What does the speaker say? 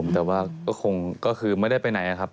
แต่ว่าก็คงก็คือไม่ได้ไปไหนครับ